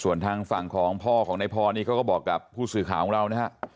ส่วนทางฝั่งของพ่อของนายพรนี่เขาก็บอกกับผู้สื่อข่าวของเรานะฮะ